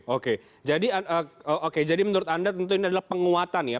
oke jadi menurut anda tentu ini adalah penguatan ya